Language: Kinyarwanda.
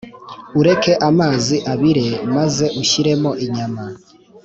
Ureke amazi abire maze ushyiremo inyama.